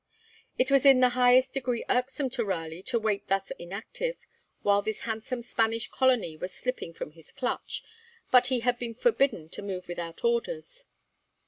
It was in the highest degree irksome to Raleigh to wait thus inactive, while this handsome Spanish colony was slipping from his clutch, but he had been forbidden to move without orders.